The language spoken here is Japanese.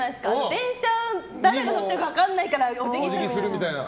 電車、誰が乗っているか分からないからお辞儀するみたいな。